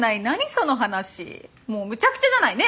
その話もうむちゃくちゃじゃないねえ